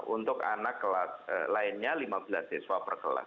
untuk anak kelas lainnya lima belas siswa per kelas